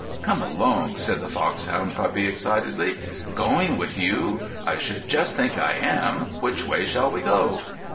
"Come along," said the foxhound puppy excitedly. "Going with you? I should just think I am! Which way shall we go?"